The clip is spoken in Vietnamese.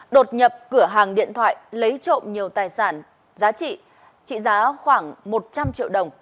đột nhập cửa hàng điện thoại lấy trộm nhiều tài sản giá trị trị giá khoảng một trăm linh triệu đồng